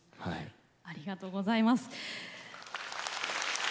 ありがとうございます。